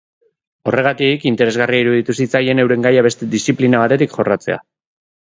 Horregatik, interesgarria iruditu zitzaien euren gaia beste diziplina batetik jorratzea.